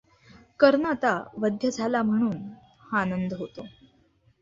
कर्ण आता वध्य झाला म्हणून हा आनंद होतो.